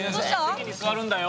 席に座るんだよ。